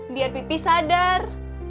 biar pipi sadar